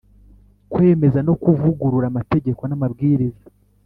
Kwemeza no kuvugurura amategeko n amabwiriza